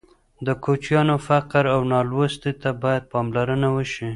د کوچیانو فقر او نالوستي ته باید پاملرنه وشي.